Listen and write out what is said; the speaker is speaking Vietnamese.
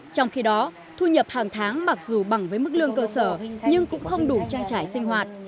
trong khi đó thu nhập hàng tháng mặc dù bằng với mức lương cơ sở nhưng cũng không đủ trang trải sinh hoạt